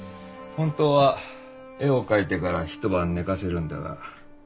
本当は絵を描いてから一晩寝かせるんだが。